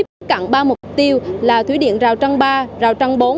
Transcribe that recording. và triển khai ba phương án tìm kiếm tiếp cận ba mục tiêu là thủy điện rào trăng ba rào trăng bốn